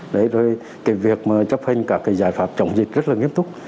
đấy rồi cái việc mà chấp hình cả cái giải pháp chống dịch rất là nghiêm túc